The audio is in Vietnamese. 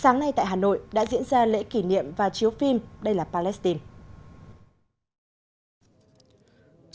sáng nay tại hà nội đã diễn ra lễ kỷ niệm và chiếu phim đây là palestine